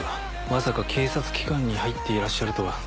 まさか警察機関に入っていらっしゃるとは。